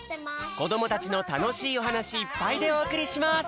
こどもたちのたのしいおはなしいっぱいでおおくりします！